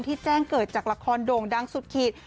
แจ้งเกิดจากละครโด่งดังสุดขีด